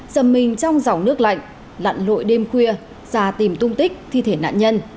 dầm mình trong dòng nước lạnh lặn lội đêm khuya ra tìm tung tích thi thể nạn nhân